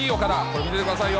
見てくださいよ。